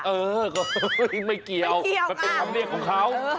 เออก็ไม่เกี่ยวมันเป็นคำเรียกของเขา